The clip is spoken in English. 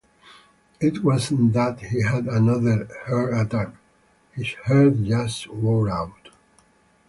It wasn't that he had another heart attack, his heart just wore out.